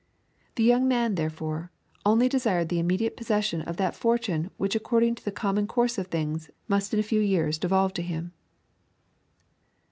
The young man, therefore, only desired the immediate possession of that fortune which ac cording to the common course of things, must in a few years devolve to him."